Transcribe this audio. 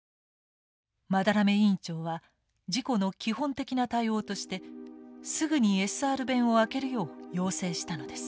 班目委員長は事故の基本的な対応としてすぐにＳＲ弁を開けるよう要請したのです。